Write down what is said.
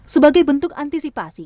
sebagai bentuk antisipasi